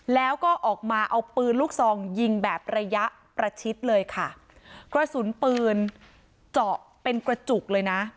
แล้วก็ออกมาเอาปืนลูกซองยิงแบบระยะประชิดเลยค่ะกระสุนปืนเจาะเป็นกระจุกเลยนะ